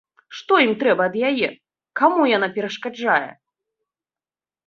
Што ім трэба ад яе, каму яна перашкаджае?